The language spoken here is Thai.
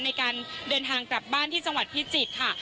ในการเดินทางกลับบ้านที่จังหวัดพิจิตรค่ะ